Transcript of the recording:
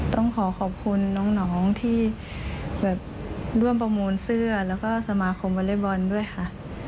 ต้องขอขอบคุณน้องที่แบบร่วมประมูลเสื้อแล้วก็สมาคมวอเล็กบอลด้วยค่ะ